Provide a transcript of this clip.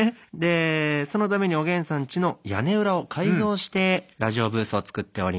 そのためにおげんさんちの屋根裏を改造してラジオブースを作っております。